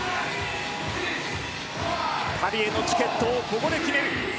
パリへのチケットをココで、決める。